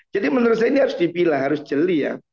jadi menurut saya ini harus dipilih harus celi ya